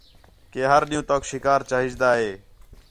کہ ہر ݙِین٘ہوں توک شکار چاہیجدا ہِے